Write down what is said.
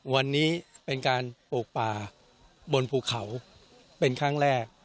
วันนี้เป็นการปลูกป่าบนภูเขาเป็นครั้งแรก